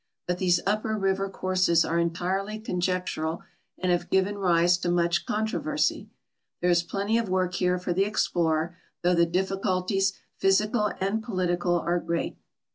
But these upper river courses are entirely conjectural and have given rise to much controvers3^ There is plenty of work here for the explorer^ though the difficulties, physical and political, are great.